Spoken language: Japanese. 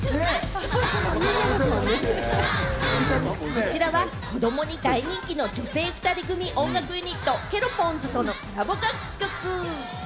こちらは、子どもに大人気の女性２人組音楽ユニット・ケロポンズとのコラボ楽曲。